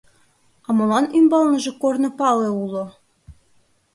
А молан ӱмбалныже корно пале уло?